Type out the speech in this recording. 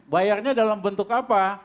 bayarnya dalam bentuk apa